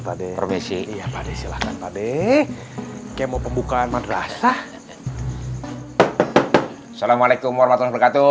pakde profesi iya pakde silakan pakde kemo pembukaan madrasah assalamualaikum warahmatullah